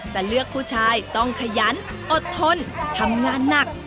จะเลือกผู้ชายต้องขยันอดทนทำงานหนัก